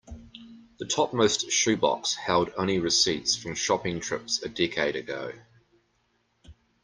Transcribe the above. The topmost shoe box held only receipts from shopping trips a decade ago.